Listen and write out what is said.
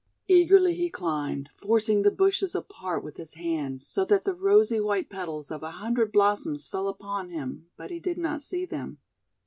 Eagerly he climbed, forcing the bushes apart with his hands, so that the rosy white petals of a hundred blossoms fell upon him, but he did not see them.